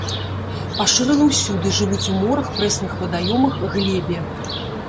Пашыраны ўсюды, жывуць у морах, прэсных вадаёмах, глебе.